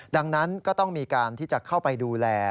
ดังนั้นก็ต้องมีการที่จะเข้าไปดูแล